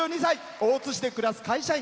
大津市で暮らす会社員。